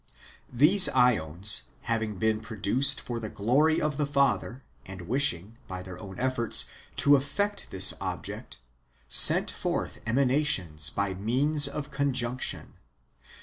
These ^ons having been produced for the glory of the Father, and wishing, by their own efforts, to effect this object, sent forth emanations by means of conjunction.